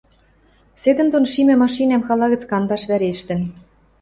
Седӹндон шимӹ машинӓм хала гӹц кандаш вӓрештӹн.